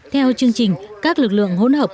theo chương trình các lực lượng hôn hợp